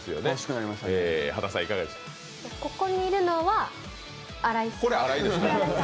ここにいるのは新井さん？